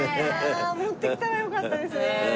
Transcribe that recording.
ああ持ってきたらよかったですね。